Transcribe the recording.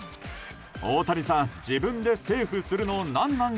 大谷さん、自分でセーフするのなん